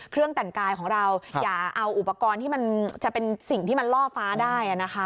เครื่องแต่งกายของเราอย่าเอาอุปกรณ์ที่มันจะเป็นสิ่งที่มันล่อฟ้าได้นะคะ